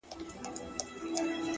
• راسره جانانه ،